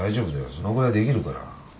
そのぐらいできるから。